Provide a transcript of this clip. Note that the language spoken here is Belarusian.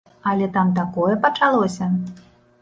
Але там такое пачалося!